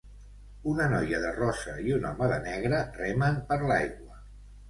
Una noia de rosa i un home de negre remen per l'aigua.